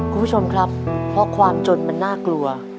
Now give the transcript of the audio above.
คุณผู้ชมครับเพราะความจนมันน่ากลัว